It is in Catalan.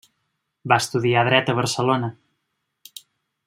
Va estudiar dret a Barcelona.